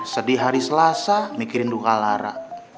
sedih hari selasa mikirin duka lara